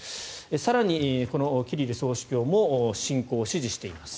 更に、このキリル総主教も侵攻を支持しています。